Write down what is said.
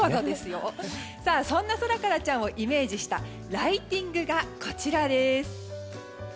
そんなソラカラちゃんをイメージしたライティングがこちらです。